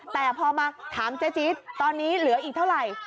แต่พอมาถามเจ๊จี๊ดตอนนี้เหลืออีกเท่าไหร่